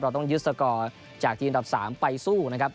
ต้องยึดสกอร์จากทีมอันดับ๓ไปสู้นะครับ